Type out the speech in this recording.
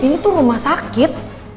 ini tuh rumah sakit